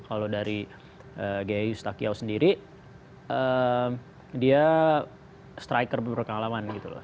kalau dari gaya yustakiao sendiri dia striker berpengalaman gitu loh